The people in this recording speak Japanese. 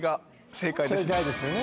正解ですよね